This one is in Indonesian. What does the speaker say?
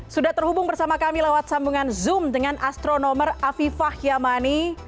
sudah terhubung bersama kami lewat sambungan zoom dengan astronomer afifah yamani